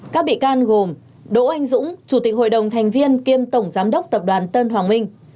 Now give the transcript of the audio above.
các bị can gồm đỗ anh dũng chủ tịch hội đồng thành viên kiêm tổng giám đốc tập đoàn tân hoàng minh